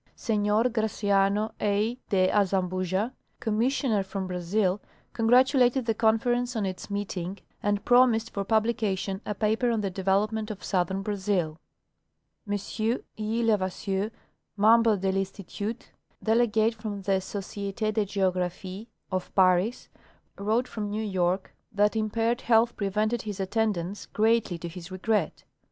Senor Graciano A. de Azambuja, Commissioner from Brazil, congratulated the Conference on its meeting, and promised for publication a paper on the development of southern Brazil. M E. Levasseur, Membre de I'Institut, delegate from the Societe de Geographic of Paris, wrote from New York that im (101) 102 International Geogrdphk Conference. paired health prevented his attendance, greatly to his regret.